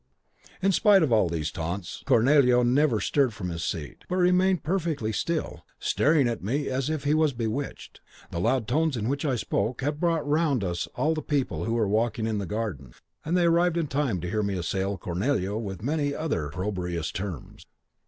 "In spite of all these taunts Cornelio never stirred from his seat, but remained perfectly still, staring at me as if he was bewitched. The loud tones in which I spoke had brought round us all the people who were walking in the garden, and they arrived in time to hear me assail Cornelio with many other opprobrious terms.